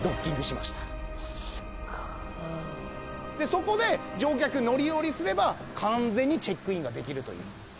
そこで乗客乗り降りすれば完全にチェックインができるという。